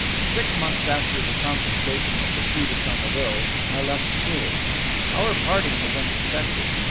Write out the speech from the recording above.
Six months after the confiscation of the Treatise on the Will I left school. Our parting was unexpected.